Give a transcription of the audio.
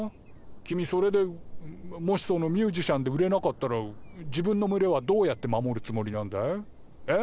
君それでもしそのミュージシャンで売れなかったら自分の群れはどうやって守るつもりなんだい？え？